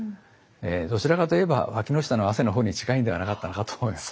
どちらかと言えばわきの下の汗の方に近いんではなかったのかと思います。